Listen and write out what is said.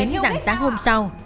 đến rạng sáng hôm sau